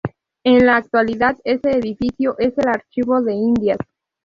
En la actualidad ese edificio es el Archivo de Indias.